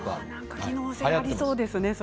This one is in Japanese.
機能性がありそうですね。